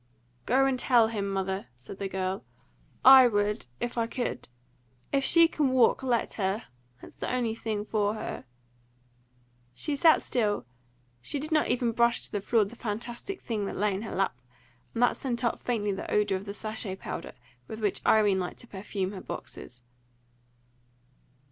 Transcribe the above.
"Go and tell him, mother," said the girl. "I would, if I could. If she can walk, let her. It's the only thing for her." She sat still; she did not even brush to the floor the fantastic thing that lay in her lap, and that sent up faintly the odour of the sachet powder with which Irene liked to perfume her boxes.